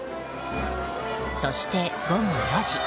そして午後４時。